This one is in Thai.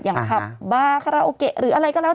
อย่างพับบ้าคาราโอเกะหรืออะไรก็แล้ว